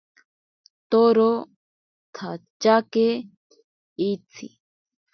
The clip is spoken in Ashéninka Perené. Toro tsatyake itsi.